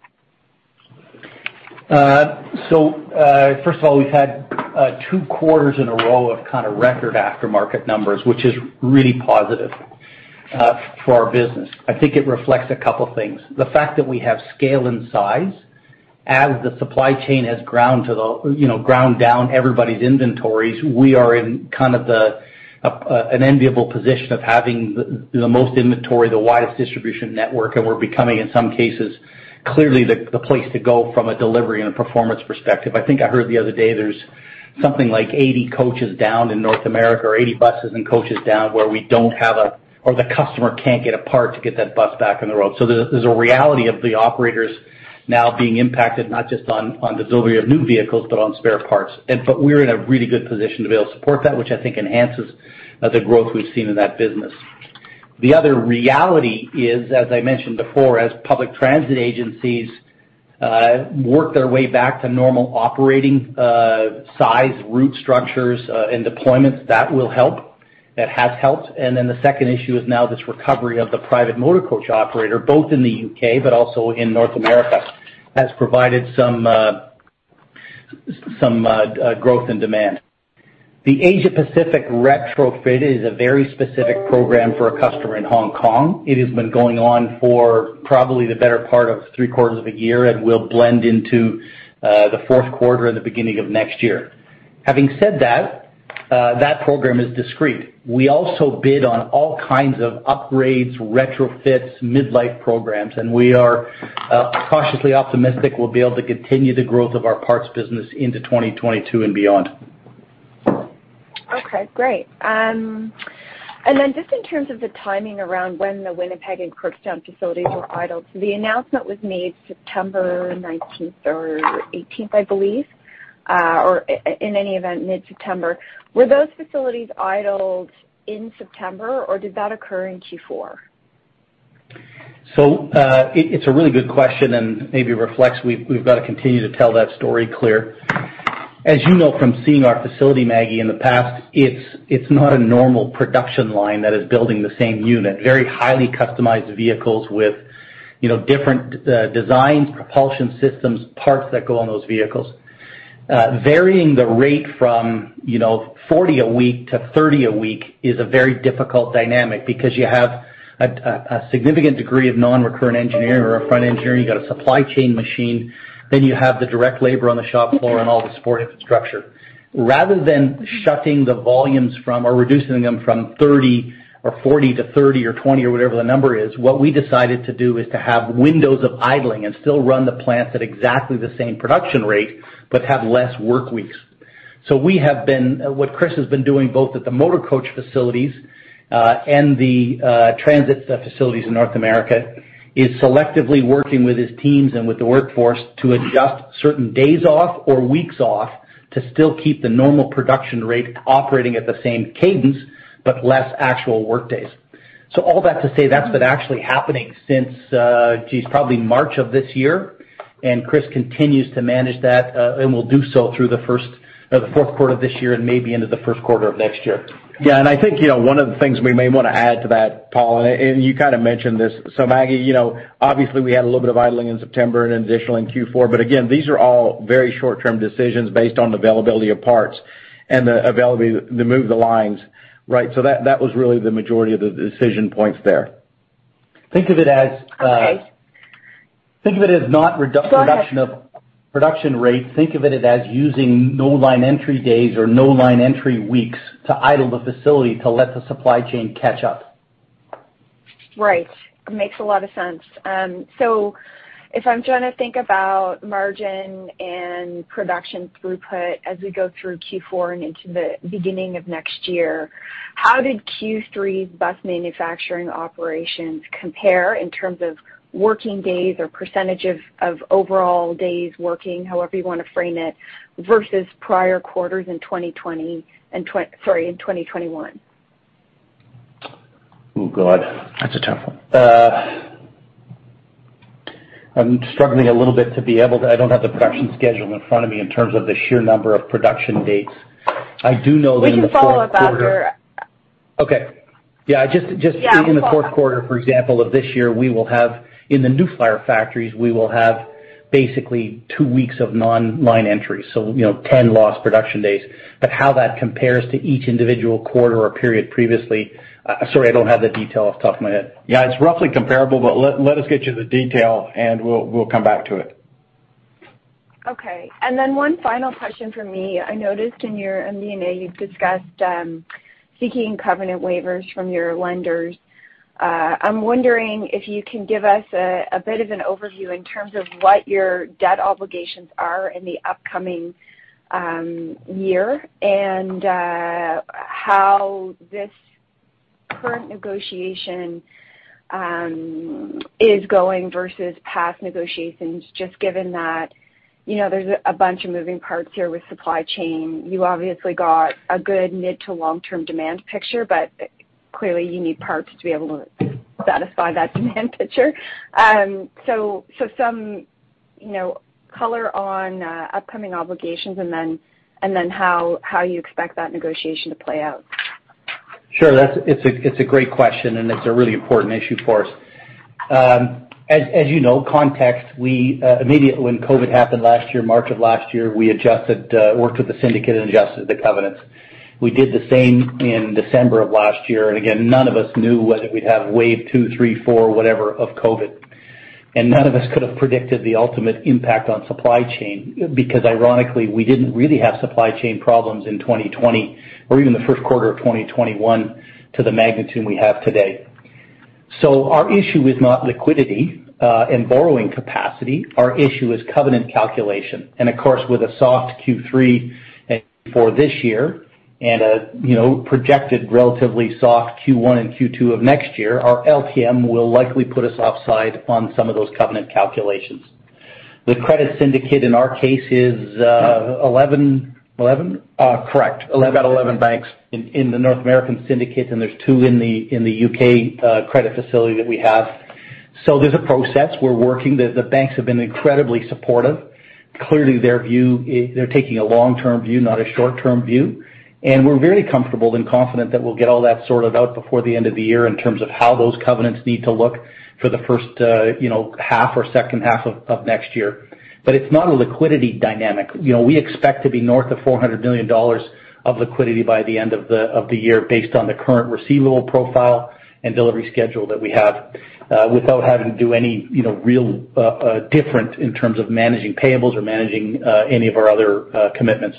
First of all, we've had two quarters in a row of kind of record aftermarket numbers, which is really positive for our business. I think it reflects a couple of things. The fact that we have scale and size as the supply chain has ground to the, you know, ground down everybody's inventories. We are in kind of an enviable position of having the most inventory, the widest distribution network, and we're becoming, in some cases, clearly the place to go from a delivery and a performance perspective. I think I heard the other day there's something like 80 coaches down in North America, or 80 buses and coaches down where the customer can't get a part to get that bus back on the road. There's a reality of the operators now being impacted, not just on the delivery of new vehicles, but on spare parts. We're in a really good position to be able to support that, which I think enhances the growth we've seen in that business. The other reality is, as I mentioned before, as public transit agencies work their way back to normal operating size, route structures, and deployments, that will help. That has helped. The second issue is now this recovery of the private motor coach operator, both in the U.K., but also in North America, has provided some growth and demand. The Asia Pacific retrofit is a very specific program for a customer in Hong Kong. It has been going on for probably the better part of three-quarters of a year and will blend into the fourth quarter and the beginning of next year. Having said that program is discrete. We also bid on all kinds of upgrades, retrofits, midlife programs, and we are cautiously optimistic we'll be able to continue the growth of our parts business into 2022 and beyond. Okay, great. Just in terms of the timing around when the Winnipeg and Crookston facilities were idled, the announcement was made September 19th or 18th, I believe, or in any event, mid-September. Were those facilities idled in September, or did that occur in Q4? It's a really good question and maybe reflects we've got to continue to tell that story clear. As you know from seeing our facility, Maggie, in the past, it's not a normal production line that is building the same unit. Very highly customized vehicles with, you know, different designs, propulsion systems, parts that go on those vehicles. Varying the rate from, you know, 40 a week to 30 a week is a very difficult dynamic because you have a significant degree of non-recurrent engineering or upfront engineering. You got a supply chain machine, then you have the direct labor on the shop floor and all the support infrastructure. Rather than shutting the volumes from or reducing them from 30 or 40 to 30 or 20 or whatever the number is, what we decided to do is to have windows of idling and still run the plant at exactly the same production rate, but have less work weeks. What Chris has been doing both at the motor coach facilities and the transit facilities in North America is selectively working with his teams and with the workforce to adjust certain days off or weeks off to still keep the normal production rate operating at the same cadence but less actual work days. All that to say, that's been actually happening since probably March of this year, and Chris continues to manage that and will do so through the fourth quarter of this year and maybe into the first quarter of next year. Yeah. I think, you know, one of the things we may want to add to that, Paul, and you kind of mentioned this. Maggie, you know, obviously we had a little bit of idling in September and additionally in Q4. Again, these are all very short-term decisions based on the availability of parts and the availability to move the lines. Right. That was really the majority of the decision points there. Think of it as. Okay. Think of it as not reduc- Go ahead. Production rate. Think of it as using no line entry days or no line entry weeks to idle the facility to let the supply chain catch up. Right. Makes a lot of sense. So if I'm trying to think about margin and production throughput as we go through Q4 and into the beginning of next year, how did Q3 bus manufacturing operations compare in terms of working days or percentage of overall days working, however you want to frame it, versus prior quarters in 2020 and 2021? Oh, God, that's a tough one. I'm struggling a little bit to be able to, I don't have the production schedule in front of me in terms of the sheer number of production dates. I do know that in the fourth quarter. We can follow up after. Okay. Yeah. Just. Yeah. We'll follow up. In the fourth quarter, for example, of this year, we will have in the New Flyer factories basically two weeks of non-line entry. You know, 10 lost production days. How that compares to each individual quarter or period previously, sorry, I don't have the detail off the top of my head. Yeah, it's roughly comparable, but let us get you the detail, and we'll come back to it. Okay. One final question from me. I noticed in your NDA, you've discussed seeking covenant waivers from your lenders. I'm wondering if you can give us a bit of an overview in terms of what your debt obligations are in the upcoming year and how this current negotiation is going versus past negotiations, just given that, you know, there's a bunch of moving parts here with supply chain. You obviously got a good mid to long-term demand picture, but clearly you need parts to be able to satisfy that demand picture. Some, you know, color on upcoming obligations and then how you expect that negotiation to play out. Sure. That's a great question, and it's a really important issue for us. As you know, context, we immediately when COVID happened last year, March of last year, worked with the syndicate and adjusted the covenants. We did the same in December of last year. Again, none of us knew whether we'd have wave two, three, four, whatever of COVID. None of us could have predicted the ultimate impact on supply chain, because ironically, we didn't really have supply chain problems in 2020 or even the first quarter of 2021 to the magnitude we have today. Our issue is not liquidity and borrowing capacity, our issue is covenant calculation. Of course, with a soft Q3 for this year and a, you know, projected relatively soft Q1 and Q2 of next year, our LTM will likely put us offside on some of those covenant calculations. The credit syndicate in our case is 11. Correct. About 11 banks in the North American syndicate, and there's two in the U.K. credit facility that we have. There's a process. We're working. The banks have been incredibly supportive. Clearly, they're taking a long-term view, not a short-term view. We're very comfortable and confident that we'll get all that sorted out before the end of the year in terms of how those covenants need to look for the first half or second half of next year. It's not a liquidity dynamic. You know, we expect to be north of $400 million of liquidity by the end of the year based on the current receivable profile and delivery schedule that we have, without having to do any, you know, real different in terms of managing payables or managing any of our other commitments.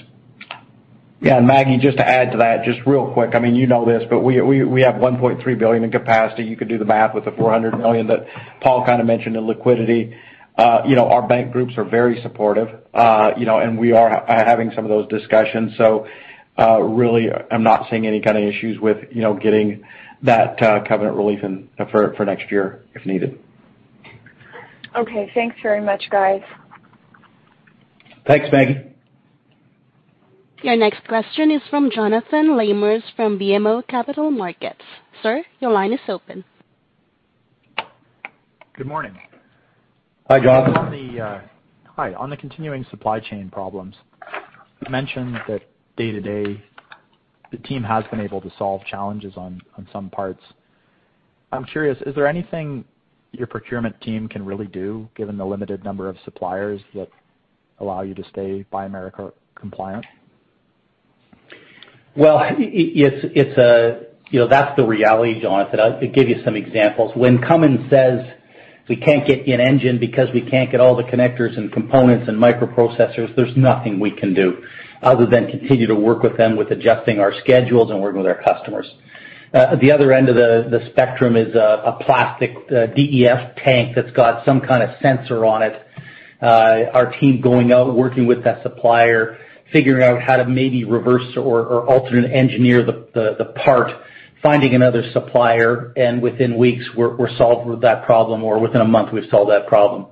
Yeah. Maggie, just to add to that, just real quick, I mean, you know this, but we have $1.3 billion in capacity. You could do the math with the $400 million that Paul kind of mentioned in liquidity. You know, our bank groups are very supportive, you know, and we are having some of those discussions. Really, I'm not seeing any kind of issues with, you know, getting that covenant relief in for next year if needed. Okay. Thanks very much, guys. Thanks, Maggie. Your next question is from Jonathan Lamers from BMO Capital Markets. Sir, your line is open. Good morning. Hi, Jonathan. On the continuing supply chain problems, you mentioned that day to day, the team has been able to solve challenges on some parts. I'm curious, is there anything your procurement team can really do given the limited number of suppliers that allow you to stay Buy America compliant? Well, it's you know, that's the reality, Jonathan. I'll give you some examples. When Cummins says we can't get you an engine because we can't get all the connectors and components and microprocessors, there's nothing we can do other than continue to work with them with adjusting our schedules and working with our customers. The other end of the spectrum is a plastic DEF tank that's got some kind of sensor on it. Our team going out, working with that supplier, figuring out how to maybe reverse or alternate engineer the part, finding another supplier, and within weeks, we're solved with that problem, or within a month, we've solved that problem.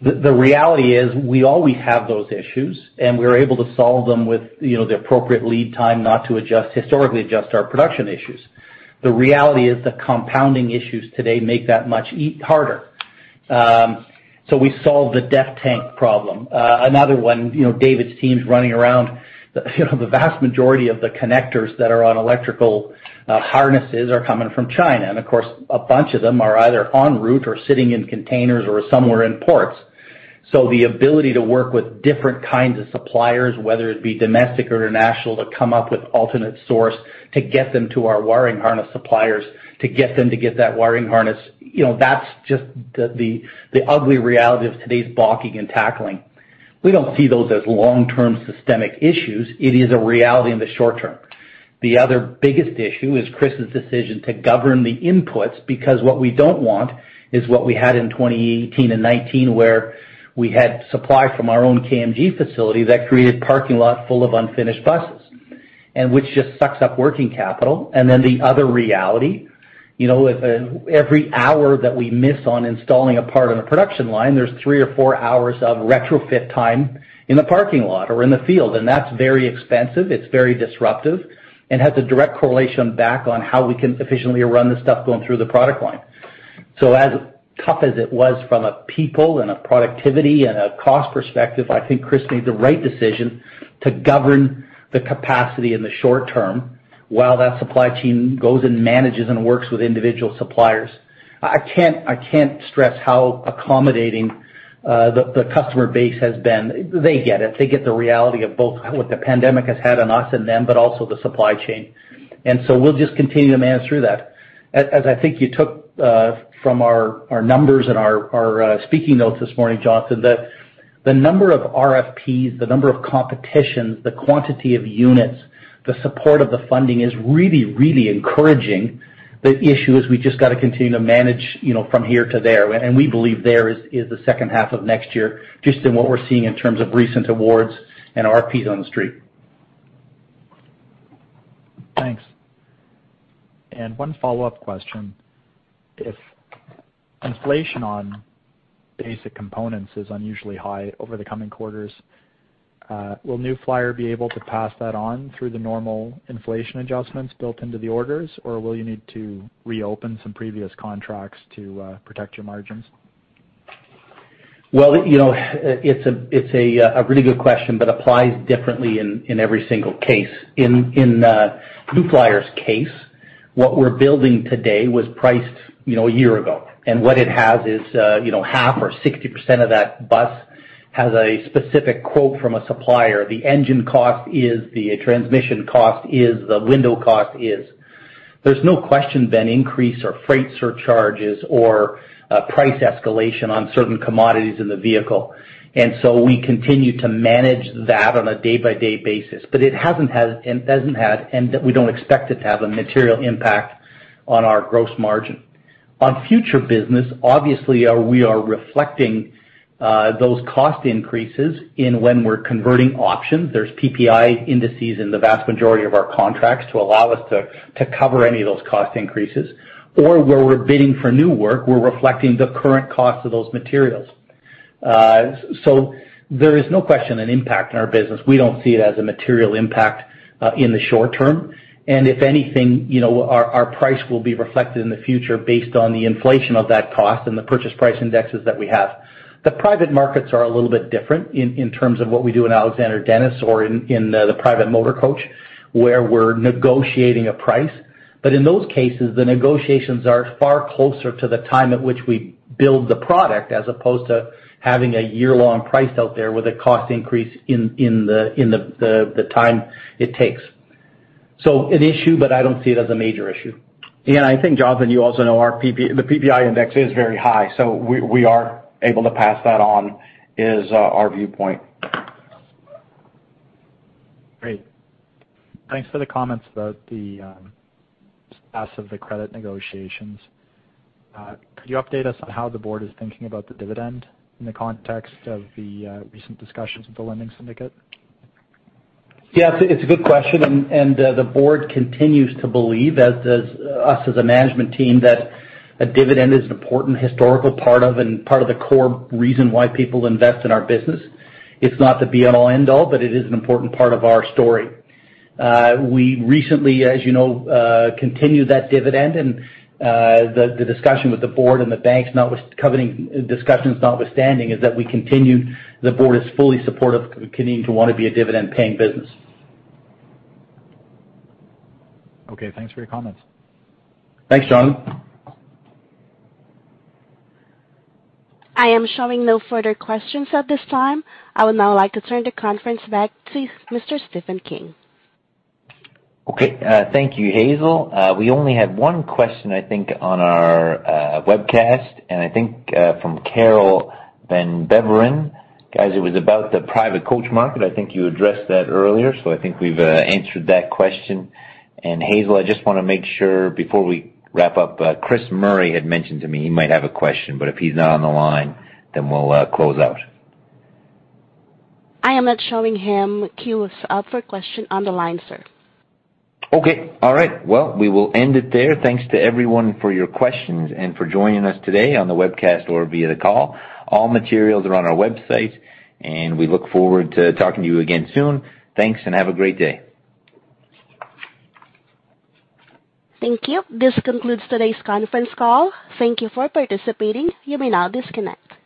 The reality is we always have those issues, and we're able to solve them with you know the appropriate lead time not to adjust, historically adjust our production issues. The reality is the compounding issues today make that much harder. So we solve the DEF tank problem. Another one, you know, David's team is running around you know the vast majority of the connectors that are on electrical harnesses are coming from China. Of course, a bunch of them are either en route or sitting in containers or somewhere in ports. The ability to work with different kinds of suppliers, whether it be domestic or international, to come up with alternate source to get them to our wiring harness suppliers to get that wiring harness you know that's just the ugly reality of today's blocking and tackling. We don't see those as long-term systemic issues. It is a reality in the short-term. The other biggest issue is Chris's decision to govern the inputs, because what we don't want is what we had in 2018 and 2019, where we had supply from our own KMG facility that created parking lot full of unfinished buses, and which just sucks up working capital. The other reality, you know, if every hour that we miss on installing a part on a production line, there's three or four hours of retrofit time in the parking lot or in the field, and that's very expensive, it's very disruptive, and has a direct correlation back on how we can efficiently run the stuff going through the production line. As tough as it was from a people and a productivity and a cost perspective, I think Chris made the right decision to govern the capacity in the short-term while that supply chain goes and manages and works with individual suppliers. I can't stress how accommodating the customer base has been. They get it. They get the reality of both what the pandemic has had on us and them, but also the supply chain. We'll just continue to manage through that. As I think you took from our numbers and our speaking notes this morning, Jonathan, the number of RFPs, the number of competitions, the quantity of units, the support of the funding is really encouraging. The issue is we just got to continue to manage, you know, from here to there, and we believe there is the second half of next year, just in what we're seeing in terms of recent awards and RFPs on the street. Thanks. One follow-up question. If inflation on basic components is unusually high over the coming quarters, will New Flyer be able to pass that on through the normal inflation adjustments built into the orders, or will you need to reopen some previous contracts to protect your margins? Well, you know, it's a really good question, but applies differently in every single case. In New Flyer's case, what we're building today was priced, you know, a year ago. What it has is, you know, half or 60% of that bus has a specific quote from a supplier. The engine cost is, the transmission cost is, the window cost is. There's no question of an increase or freight surcharges or price escalation on certain commodities in the vehicle. We continue to manage that on a day-by-day basis. But it hasn't had, and we don't expect it to have a material impact on our gross margin. On future business, obviously, we are reflecting those cost increases when we're converting options. There's PPI indices in the vast majority of our contracts to allow us to cover any of those cost increases. Where we're bidding for new work, we're reflecting the current cost of those materials. So there is no question an impact in our business. We don't see it as a material impact in the short-term. If anything, you know, our price will be reflected in the future based on the inflation of that cost and the purchase price indexes that we have. The private markets are a little bit different in terms of what we do in Alexander Dennis or in the private motor coach, where we're negotiating a price. In those cases, the negotiations are far closer to the time at which we build the product as opposed to having a year-long price out there with a cost increase in the time it takes. An issue, but I don't see it as a major issue. I think, Jonathan, you also know our PPI, the PPI index is very high, so we are able to pass that on, is our viewpoint. Great. Thanks for the comments about the status of the credit negotiations. Could you update us on how the board is thinking about the dividend in the context of the recent discussions with the lending syndicate? Yeah, it's a good question, and the board continues to believe as does us as a management team, that a dividend is an important historical part of and part of the core reason why people invest in our business. It's not the be-all end-all, but it is an important part of our story. We recently, as you know, continued that dividend and the discussion with the board and the banks notwithstanding, is that we continued. The board is fully supportive continuing to wanna be a dividend paying business. Okay, thanks for your comments. Thanks, Jonathan. I am showing no further questions at this time. I would now like to turn the conference back to Mr. Stephen King. Okay, thank you, Hazel. We only had one question, I think, on our webcast, and I think from Carol Van Beveren. Guys, it was about the private coach market. I think you addressed that earlier, so I think we've answered that question. Hazel, I just wanna make sure before we wrap up. Chris Murray had mentioned to me he might have a question, but if he's not on the line then we'll close out. I am not showing him queued up for question on the line, sir. Okay. All right. Well, we will end it there. Thanks to everyone for your questions and for joining us today on the webcast or via the call. All materials are on our website, and we look forward to talking to you again soon. Thanks, and have a great day. Thank you. This concludes today's conference call. Thank you for participating. You may now disconnect.